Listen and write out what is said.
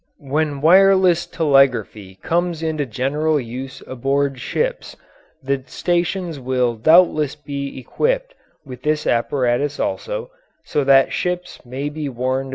When wireless telegraphy comes into general use aboard ship the stations will doubtless be equipped with this apparatus also, so that ships may be warned of danger.